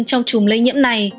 trong chùm lây nhiễm này